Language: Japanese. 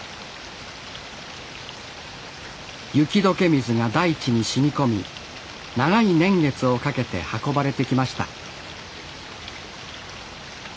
雪解け水が大地にしみこみ長い年月をかけて運ばれてきました